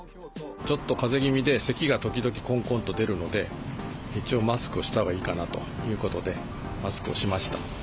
ちょっとかぜ気味で、せきが時々こんこんと出るので、一応、マスクをしたほうがいいかなということで、マスクをしました。